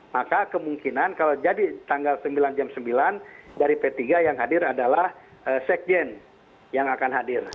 maka kemungkinan kalau jadi tanggal sembilan jam sembilan dari p tiga yang hadir adalah sekjen yang akan hadir